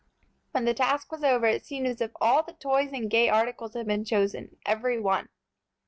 When the task was over, it seemed as if all the toys and gay articles had been chosen, every one!